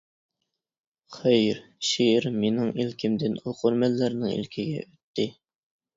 خەير، شېئىر مېنىڭ ئىلكىمدىن ئوقۇرمەنلەرنىڭ ئىلكىگە ئۆتتى.